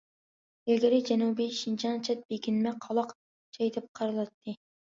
ئىلگىرى جەنۇبىي شىنجاڭ چەت، بېكىنمە، قالاق جاي دەپ قارىلاتتى.